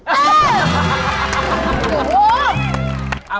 อ่าทุกคน